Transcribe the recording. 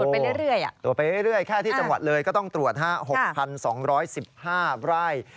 ตรวจไปเรื่อยแค่ที่จังหวัดเลยก็ต้องตรวจ๖๒๑๕ราย